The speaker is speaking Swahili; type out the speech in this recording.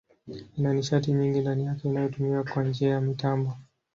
Ina nishati nyingi ndani yake inayotumiwa kwa njia ya mitambo.